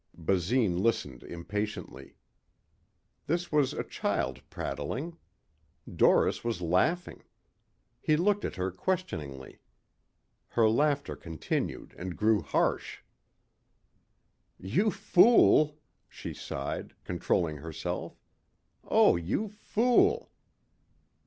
Basine listened impatiently. This was a child prattling. Doris was laughing. He looked at her questioningly. Her laughter continued and grew harsh. "You fool," she sighed, controlling herself. "Oh you fool."